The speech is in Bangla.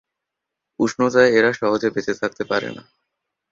উষ্ণতায় এরা সহজে বেঁচে থাকতে পারে না।